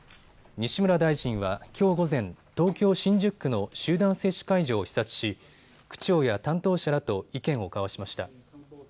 西村大臣はきょう午前、東京新宿区の集団接種会場を視察し区長や担当者らと意見を交わしました。